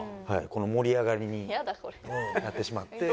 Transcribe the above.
この盛り上がりにやってしまって。